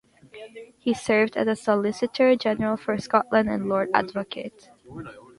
He served as Solicitor General for Scotland and Lord Advocate.